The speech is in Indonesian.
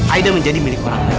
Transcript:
aida menjadi milik orang lain